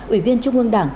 ủy viên trung ương đảng